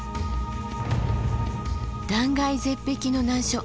断崖絶壁の難所